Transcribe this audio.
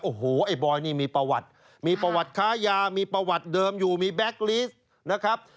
โอ้โหไอ้บอยนี่มีประวัติมีประวัติค้ายามีประวัติเดิมอยู่มีแก๊กลีสนะครับ